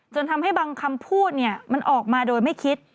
จนทำให้บางคำพูดมันออกมาโดยไม่คิด